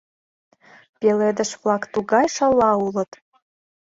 Пеледыш-влак тугай шала улыт!